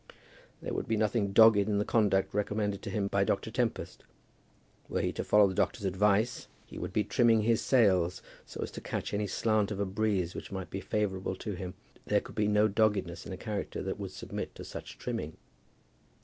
There would be nothing dogged in the conduct recommended to him by Dr. Tempest. Were he to follow the doctor's advice, he would be trimming his sails, so as to catch any slant of a breeze that might be favourable to him. There could be no doggedness in a character that would submit to such trimming.